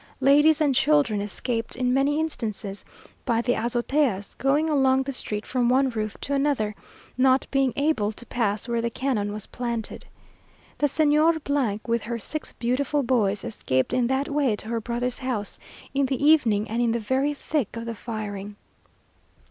Ladies and children escaped, in many instances, by the azoteas, going along the street from one roof to another, not being able to pass where the cannon was planted. The Señora , with her six beautiful boys, escaped in that way to her brother's house, in the evening, and in the very thick of the firing.